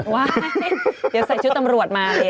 ว้ายเดี๋ยวใส่ชุดตำรวจมาเลย